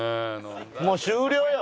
もう終了よ！